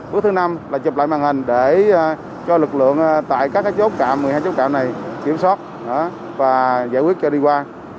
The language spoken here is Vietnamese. bước thứ năm là chụp lại màn hình để cho lực lượng tại các chốt trạm một mươi hai chốt trạm này kiểm soát và giải quyết cho đi qua